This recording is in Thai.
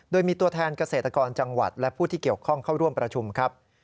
โดยมีตัวแทนเกษตรกรจังหวัดและผู้ที่เกี่ยวข้องเข้าร่วมประชุมครับ